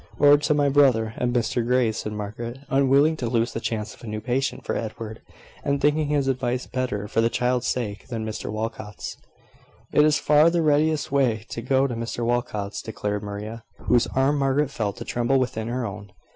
"Or to my brother at Mr Grey's," said Margaret, unwilling to lose the chance of a new patient for Edward, and thinking his advice better, for the child's sake, than Mr Walcot's. "It is far the readiest way to go to Mr Walcot's," declared Maria, whose arm Margaret felt to tremble within her own.